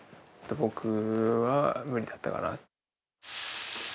僕は無理だったかな。